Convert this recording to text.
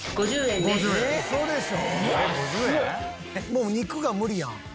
もう肉が無理やん。